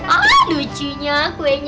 aduh cucunya kuenya